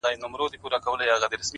د دوزخي حُسن چيرمني جنتي دي کړم ـ